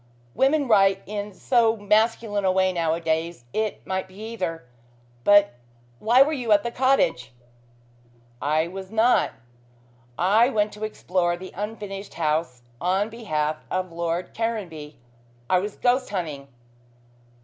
Women write in so masculine a way nowadays. It might be either. But why were you at the cottage " "I was not. I went to explore the unfinished house on behalf of Lord Caranby. I was ghost hunting.